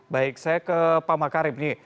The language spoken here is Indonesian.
baik saya ke pak makarim nih